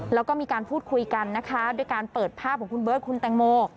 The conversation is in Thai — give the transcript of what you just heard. แล้วก็มีการพูดคุยกันนะคะด้วยการเปิดภาพของคุณเบิร์ตคุณแตงโม